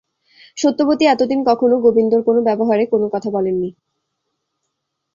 সত্যবতী এতদিন কখনো গোবিন্দর কোনো ব্যবহারে কোনো কথা বলেন নি।